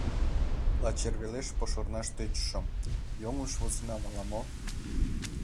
Лач эр велеш пошырнаш тӧчышым: йоҥылыш возынам ала-мо?